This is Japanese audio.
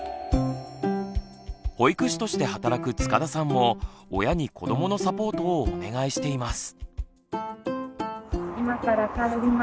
保育士として働く塚田さんも親に子どものサポートをお願いしています。